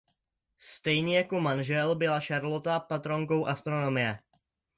Stejně jako manžel byla Šarlota patronkou astronomie.